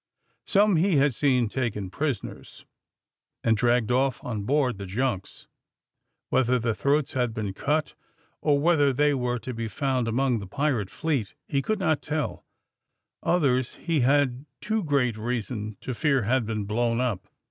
Some he had seen taken prisoners, and dragged off on board the junks. Whether their throats had been cut, or whether they were to be found among the pirate fleet, he could not tell; others he had too great reason to fear had been blown up.